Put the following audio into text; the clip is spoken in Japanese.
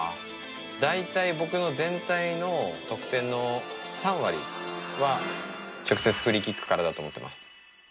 大体僕の全体の得点の３割は直接フリーキックと思ってます。